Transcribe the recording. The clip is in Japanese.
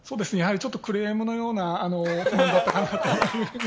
ちょっとクレームのような感じだったかなと。